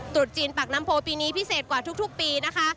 ตรุษจีนปากน้ำโพปีนี้พิเศษกว่าทุกปีนะคะ